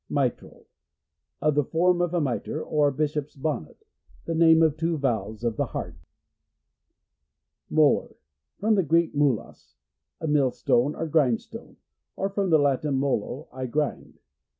Mitral — Of the form of a mitre, or bishop's bonnet. The name of two valves of the heart. Molar. — From the Greek, mulos, a millstone or grindstone; or from the Latin, molo, I grind.